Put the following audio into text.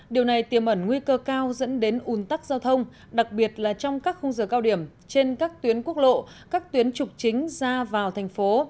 điều này tiềm ẩn nguy cơ cao dẫn đến ủn tắc giao thông đặc biệt là trong các khung giờ cao điểm trên các tuyến quốc lộ các tuyến trục chính ra vào thành phố